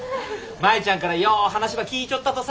舞ちゃんからよう話ば聞いちょったとさ。